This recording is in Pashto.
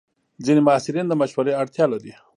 ځینې محصلین د مشورې اړتیا لري.